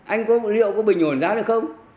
anh có liệu có bình ổn giá được không